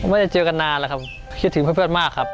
ไม่ได้เจอกันนานแล้วครับคิดถึงเพื่อนมากครับ